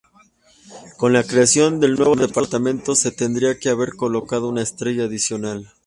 Con la creación del nuevo departamento, se tendría que haber colocado una estrella adicional.